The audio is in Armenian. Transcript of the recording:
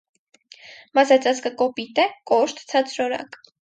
Մազածածկը կոպիտ է, կոշտ, ցածրորակ։